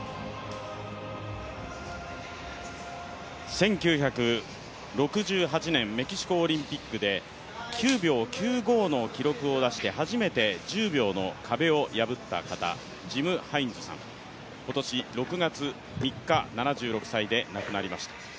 １９６８年メキシコオリンピックで９秒９５の記録を出して初めて１０秒の壁を破った方、ジム・ハインズさん、今年６月３日、７６歳で亡くなりました。